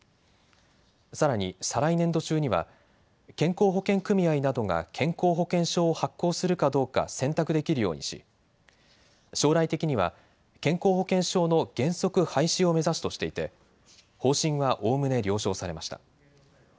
さらに再来年度中には健康保険組合などが健康保険証を発行するかどうか選択できるようにし将来的には健康保険証の原則廃止を目指すとしていて方針はおおむね了承されました。